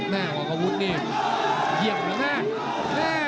แม่ของกระวุธนี่เยี่ยมอยู่หน้า